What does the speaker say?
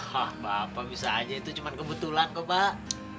hah bapak bisa aja itu cuma kebetulan kok pak